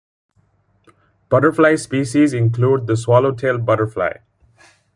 Butterfly species include the swallowtail butterfly.